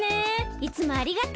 いつもありがとう。